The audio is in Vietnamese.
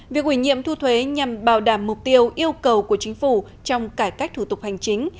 việc ủy nhiệm thu thuế nhằm bảo đảm mục tiêu yêu cầu của chính phủ trong cải cách thủ tục hành chính